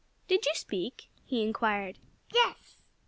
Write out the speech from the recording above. "Did you speak?" he inquired. "Yes!"